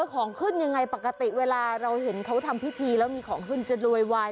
ของขึ้นยังไงปกติเวลาเราเห็นเขาทำพิธีแล้วมีของขึ้นจะรวยวาย